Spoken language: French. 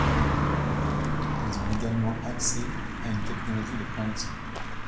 Ils ont également accès à une technologie de pointe.